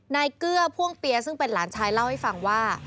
เกื้อพ่วงเปียซึ่งเป็นหลานชายเล่าให้ฟังว่า